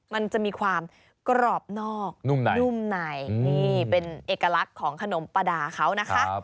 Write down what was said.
มันจะมีความกรอบนอกนุ่มในนี่เป็นเอกลักษณ์ของขนมปลาดาเขานะคะ